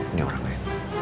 ini orang lain